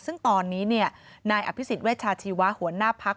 ซึ่งตอนนี้นายอภิษฎเวชาชีวะหัวหน้าพัก